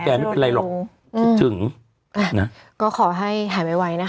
เป็นประสาหร่ายมายาวฮย